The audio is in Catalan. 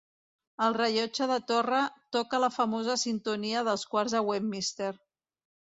El rellotge de torre toca la famosa sintonia dels quarts de Westminster.